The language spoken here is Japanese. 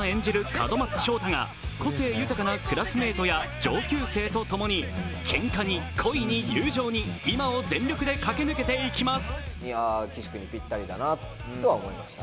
門松勝太が個性豊かなクラスメートや上級生とともにけんかに恋に、友情に今を全力で駆け抜けていきます。